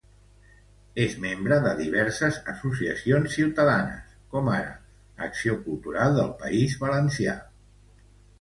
És membre de diverses associacions ciutadanes, com ara Acció Cultural del País Valencià.